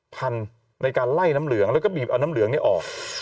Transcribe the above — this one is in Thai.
พันในการไล่น้ำเหลืองแล้วก็บีบเอาน้ำเหลืองนี้ออก